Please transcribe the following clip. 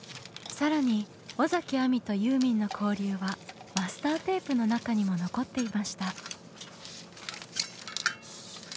更に尾崎亜美とユーミンの交流はマスターテープの中にも残っていました。